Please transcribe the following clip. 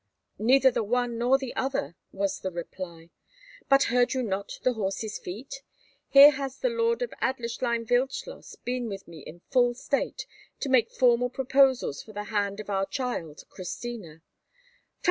"Neither the one nor the other," was the reply. "But heard you not the horse's feet? Here has the Lord of Adlerstein Wildschloss been with me in full state, to make formal proposals for the hand of our child, Christina."